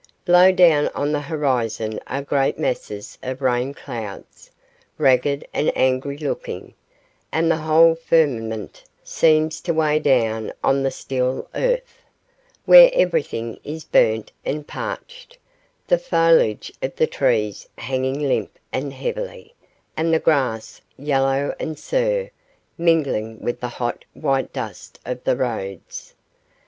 Low down on the horizon are great masses of rain clouds, ragged and angry looking, and the whole firmament seems to weigh down on the still earth, where everything is burnt and parched, the foliage of the trees hanging limp and heavily, and the grass, yellow and sere, mingling with the hot, white dust of the roads.